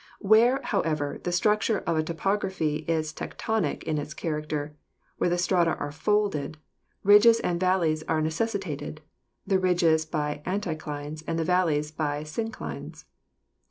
Where, however, the structure of a topography is tec tonic in its character, where the strata are folded, ridges and valleys are necessitated, the ridges by anticlines and the valleys by synclines.